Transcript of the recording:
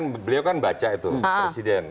beliau kan baca itu presiden